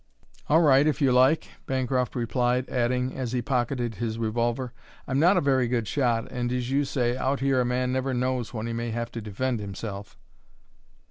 "All right, if you like," Bancroft replied, adding, as he pocketed his revolver, "I'm not a very good shot and, as you say, out here a man never knows when he may have to defend himself."